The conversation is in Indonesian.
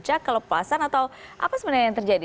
apakah ini muncak kelepasan atau apa sebenarnya yang terjadi